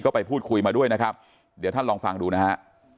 ก็ไปพูดคุยมาด้วยนะครับเดี๋ยวท่านลองฟังดูนะฮะ